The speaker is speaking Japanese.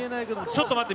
ちょっと待って。